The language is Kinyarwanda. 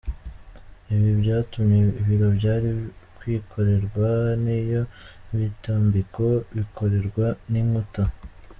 Ibi byatumye ibiro byari kwikorerwa n’iyo mitambiko byikorerwa n’inkuta.